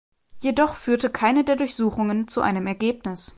Jedoch führte keine der Durchsuchungen zu einem Ergebnis.